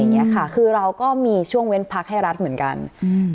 ค่ะคือเราก็มีช่วงเว้นพักให้รัฐเหมือนกันอืม